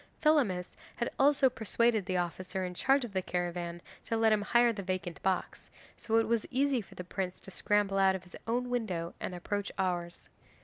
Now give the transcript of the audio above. Thelamis had also persuaded the officer in charge of the caravan to let him hire the vacant box, so it was easy for the prince to scramble out of his own window and approach ours.